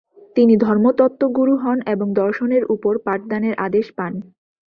তিনি ধর্মতত্ত্বগুরু হন এবং দর্শন-এর উপর পাঠদানের আদেশ পান।